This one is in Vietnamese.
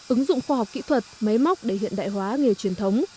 ứng dụng khoa học kỹ thuật máy móc để hiện đại hóa nghề truyền thống